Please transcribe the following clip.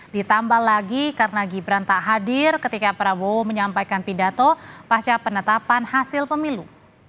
ditambah lagi karena gibran tak hadir ketika prabowo menyampaikan pidato pasca penetapan hasil pemilu